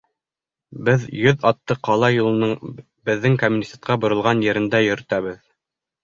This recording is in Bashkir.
Беҙ йөҙ атты ҡала юлының беҙҙең комитетҡа боролған ерендә йөрөтәбеҙ.